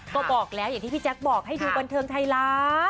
ก็บอกแล้วอย่างที่พี่แจ๊คบอกให้ดูบันเทิงไทยรัฐ